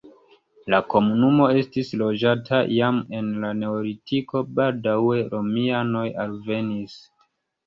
La komunumo estis loĝata jam en la neolitiko, baldaŭe romianoj alvenis.